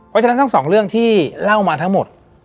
เพราะฉะนั้นทั้งสองเรื่องที่เล่ามาทั้งหมด